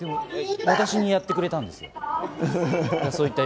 私にやってくれたんですね。